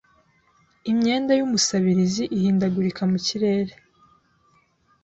Imyenda yUmusabirizi ihindagurika mu kirere